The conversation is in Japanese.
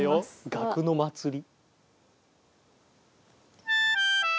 楽の祭り。